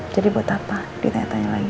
jadi buat apa dia tanya tanya lagi